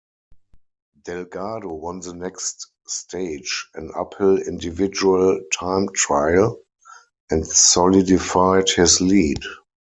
Delgado won the next stage, an uphill individual time trial, and solidified his lead.